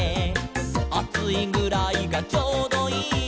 「『あついぐらいがちょうどいい』」